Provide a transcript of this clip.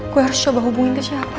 gue harus coba hubungin ke siapa